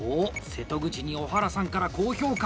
瀬戸口に小原さんから高評価！